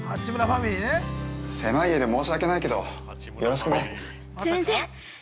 狭い家で申し訳ないけどよろしくね。